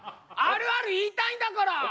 あるある言いたいんだから！